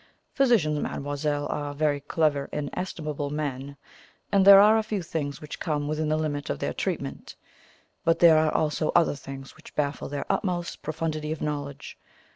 Physicians, mademoiselle, are very clever and estimable men, and there are a few things which come within the limit of their treatment; but there are also other things which baffle their utmost profundity of knowledge.